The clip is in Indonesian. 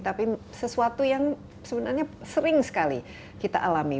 tapi sesuatu yang sebenarnya sering sekali kita alami